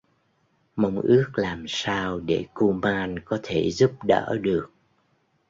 Mong ước làm sao để kuman có thể giúp đỡ được